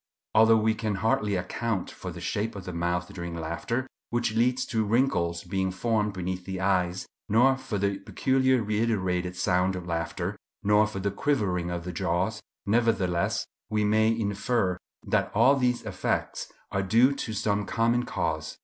Although we can hardly account for the shape of the mouth during laughter, which leads to wrinkles being formed beneath the eyes, nor for the peculiar reiterated sound of laughter, nor for the quivering of the jaws, nevertheless we may infer that all these effects are due to some common cause.